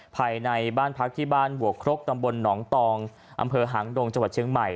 ภายในบ้านพักที่บ้านบวกครกตำบลหนองตองอำเภอหางดงจังหวัดเชียงใหม่